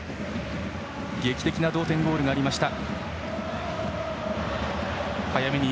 劇的な同点ゴールがありました。